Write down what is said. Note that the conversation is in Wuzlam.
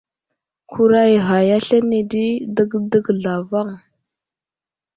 Kuray ghay aslane di dəkdək zlavaŋ.